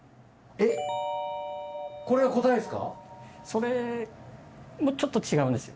それもちょっと違うんです。